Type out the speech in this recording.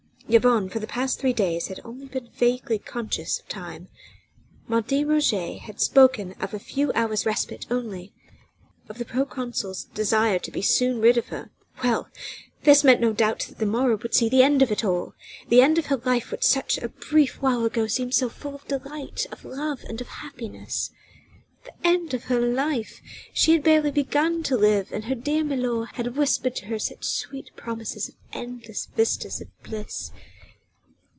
Yvonne for the past three days had only been vaguely conscious of time. Martin Roget had spoken of a few hours' respite only, of the proconsul's desire to be soon rid of her. Well! this meant no doubt that the morrow would see the end of it all the end of her life which such a brief while ago seemed so full of delight, of love and of happiness. The end of her life! She had hardly begun to live and her dear milor had whispered to her such sweet promises of endless vistas of bliss.